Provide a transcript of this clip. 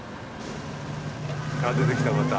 出てきたまた。